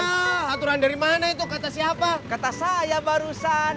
ah aturan dari mana itu kata siapa kata saya barusan